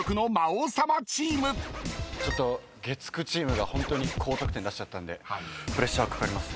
ちょっと月９チームがホントに高得点出しちゃったんでプレッシャーかかります。